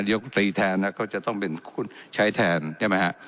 กรรมตรีแทนนะก็จะต้องเป็นคนใช้แทนใช่ไหมฮะ